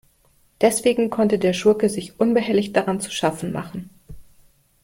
Deswegen konnte der Schurke sich unbehelligt daran zu schaffen machen.